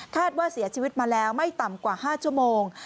ว่าเสียชีวิตมาแล้วไม่ต่ำกว่า๕ชั่วโมง